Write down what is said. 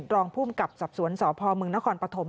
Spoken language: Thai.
รองภูมิกับสอบสวนสพมนครปฐม